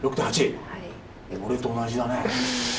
俺と同じだね。